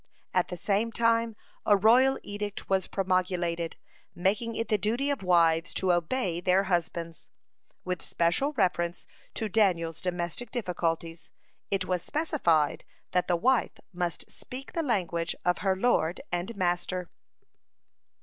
At the same time a royal edict was promulgated, making it the duty of wives to obey their husbands. With special reference to Daniel's domestic difficulties, it was specified that the wife must speak the language of her lord and master.